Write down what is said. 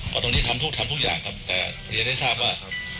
แต่ตอนนี้ทำทุกอย่างครับแต่เรียนให้ทราบว่า